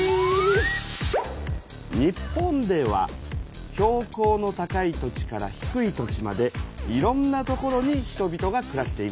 日本では標高の高い土地から低い土地までいろんな所に人々がくらしています。